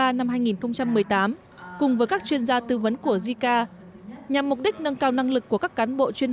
nga năm hai nghìn một mươi tám cùng với các chuyên gia tư vấn của jica nhằm mục đích nâng cao năng lực của các cán bộ chuyên